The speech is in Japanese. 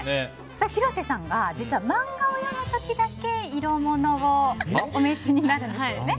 広瀬さんが実はマンガを読む時だけ色物をお召しになるんですよね。